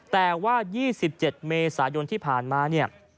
แต่ว่า๒๗เมษายนที่ผ่านมาเนี่ย